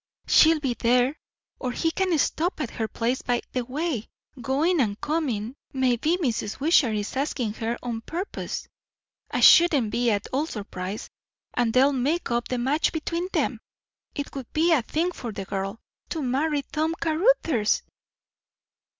She'll be there, or he can stop at her place by the way, going and coming; maybe Mrs. Wishart is asking her on purpose I shouldn't be at all surprised and they'll make up the match between them. It would be a thing for the girl, to marry Tom Caruthers!"